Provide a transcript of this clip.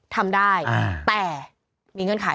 ทำได้แต่มีเงื่อนไข